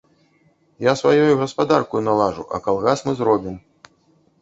Я сваёю гаспадаркаю налажу, а калгас мы зробім.